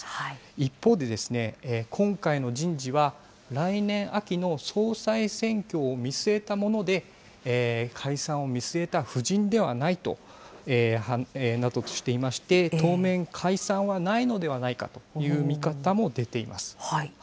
一方で、今回の人事は来年秋の総裁選挙を見据えたもので、解散を見据えた布陣ではないなどとしていまして、当面、解散はないのではないかとの見方も出ています。